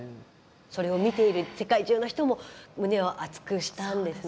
それを見ている世界中の人も胸を熱くしたんですね。